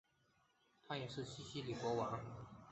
他也是西西里国王。